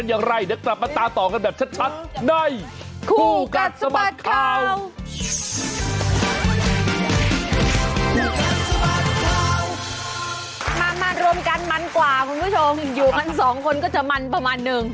อยู่กันสองคนก็จะมันประมาณนึง